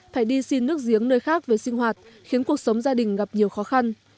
phải đi xin nước giếng nơi khác về sinh hoạt khiến cuộc sống gia đình gặp nhiều khó khăn